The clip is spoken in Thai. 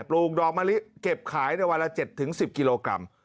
ลูกดอกมะลิเก็บขายในวันละ๗๑๐กิโลกรัม